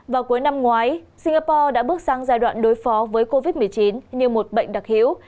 vào cuối năm ngoái singapore đã bước sang giai đoạn đối phó với covid một mươi chín như một bệnh đặc hữu